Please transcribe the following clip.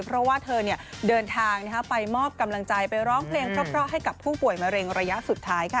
เพราะว่าเธอเดินทางไปมอบกำลังใจไปร้องเพลงเพราะให้กับผู้ป่วยมะเร็งระยะสุดท้ายค่ะ